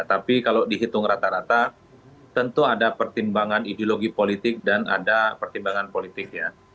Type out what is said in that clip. tapi kalau dihitung rata rata tentu ada pertimbangan ideologi politik dan ada pertimbangan politik ya